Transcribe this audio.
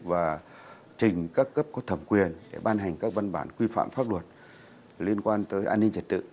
và trình các cấp có thẩm quyền để ban hành các văn bản quy phạm pháp luật liên quan tới an ninh trật tự